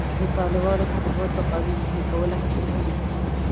د طالبانو حکومت د قانون پلي کولو هڅې کړې دي.